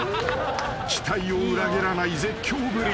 期待を裏切らない絶叫ぶり］